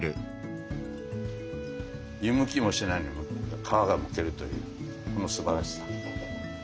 湯むきもしないのに皮がむけるというこのすばらしさ。ね？